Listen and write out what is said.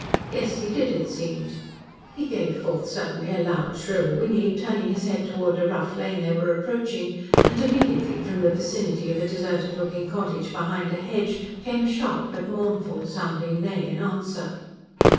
Yes, he did, it seemed. He gave forth suddenly a loud shrill whinny, turning his head towards a rough lane they were approaching, and immediately from the vicinity of a deserted looking cottage behind a hedge came a sharp but mournful sounding neigh in answer.